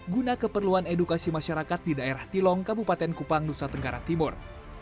guna keperluan edukasi masyarakat di daerah tilong kabupaten kupang nusa tenggara timur